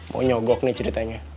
mau nyogok nih ceritanya